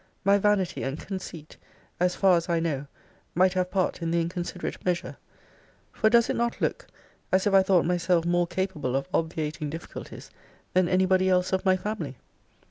My vanity and conceit, as far as I know, might have part in the inconsiderate measure: For does it not look as if I thought myself more capable of obviating difficulties than anybody else of my family?